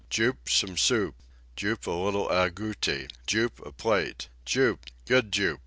"Jup, some soup!" "Jup, a little agouti!" "Jup, a plate!" "Jup! Good Jup!